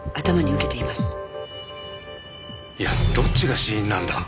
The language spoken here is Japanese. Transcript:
いやどっちが死因なんだ？